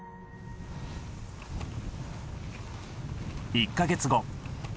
１か月後。